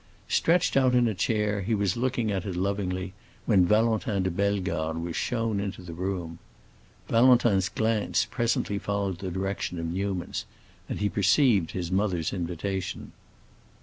Stretched out in a chair, he was looking at it lovingly, when Valentin de Bellegarde was shown into the room. Valentin's glance presently followed the direction of Newman's, and he perceived his mother's invitation.